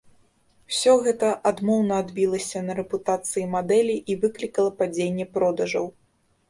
Усё гэта адмоўна адбілася на рэпутацыі мадэлі і выклікала падзенне продажаў.